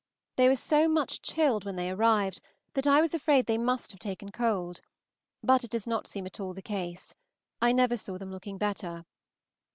They were so much chilled when they arrived, that I was afraid they must have taken cold; but it does not seem at all the case: I never saw them looking better.